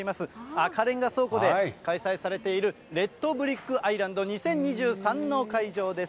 赤レンガ倉庫で開催されている、レッドブリックアイランド２０２３の会場です。